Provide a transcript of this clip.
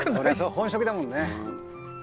本職だもんね。